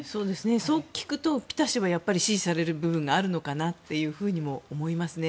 そう聞くとピタ氏は支持される部分があるのかなと思いますね。